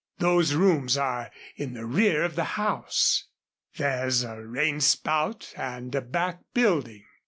Those rooms are in the rear of the house. There's a rain spout and a back building.